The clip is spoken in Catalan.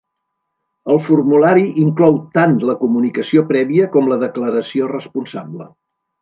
El formulari inclou tant la comunicació prèvia com la declaració responsable.